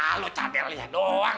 ah lu cagel ya doang